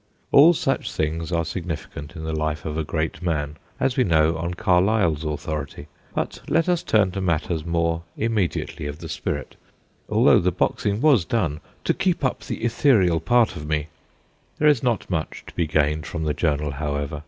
All such things are significant in the life of a great man, as we know on Carlyle's authority ; but let us turn to matters more immediately of the spirit although the boxing was done ' to keep up the ethereal part of me/ There is not much to be gained from the journal, however.